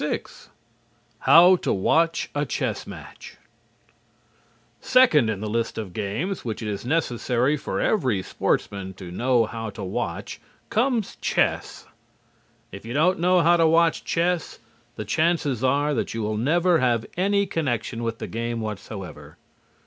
VI HOW TO WATCH A CHESS MATCH Second in the list of games which it is necessary for every sportsman to know how to watch comes chess. If you don't know how to watch chess, the chances are that you will never have any connection with the game whatsoever.